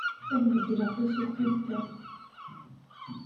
Ad beddleɣ tasuqilt-a.